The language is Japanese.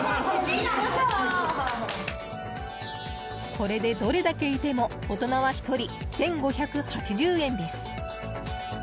これで、どれだけいても大人は１人１５８０円です。